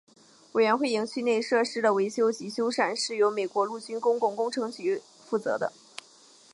委员会营区内设施的维护及修缮是由美国陆军公共工程局负责的。